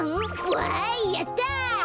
わいやった。